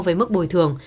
với mức bồi thương